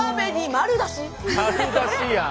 丸出しやん。